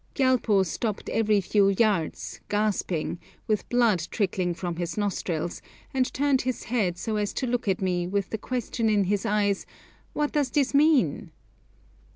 Gyalpo stopped every few yards, gasping, with blood trickling from his nostrils, and turned his head so as to look at me, with the question in his eyes, What does this mean?